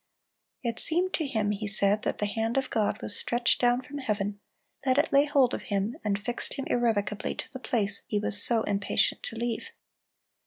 It seemed to him, he said, "that the hand of God was stretched down from heaven, that it lay hold of him, and fixed him irrevocably to the place he was so impatient to leave."